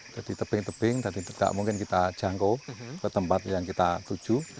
jadi tebing tebing jadi tidak mungkin kita jangkau ke tempat yang kita tuju